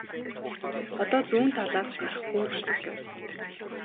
Одоо зүүн талаас гарах хүн алга гэв.